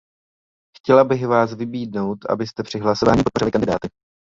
Chtěla bych vás vybídnout, abyste při hlasování podpořili kandidáty.